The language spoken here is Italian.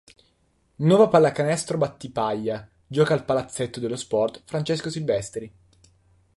Nuova Pallacanestro Battipaglia, gioca al palazzetto dello sport "Francesco Silvestri".